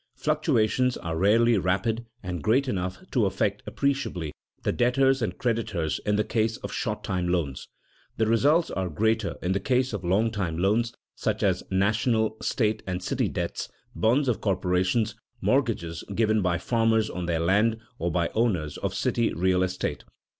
Fluctuations are rarely rapid and great enough to affect appreciably the debtors and creditors in the case of short time loans. The results are greater in the case of long time loans, such as national, state, and city debts, bonds of corporations, mortgages given by farmers on their land or by owners of city real estate.